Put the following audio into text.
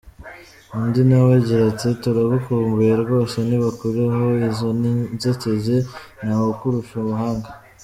Undi nawe agira ati “Turagukumbuye rwose nibakureho izo nzitizi ntawukurusha ubuhanga.